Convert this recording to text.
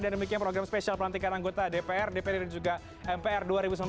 dan demikian program spesial pelantikan anggota dpr dpr dan juga mpr dua ribu sembilan belas dua ribu dua puluh empat